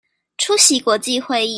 出席國際會議